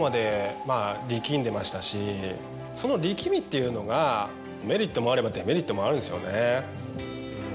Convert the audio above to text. その力みっていうのがメリットもあればデメリットもあるんですよね。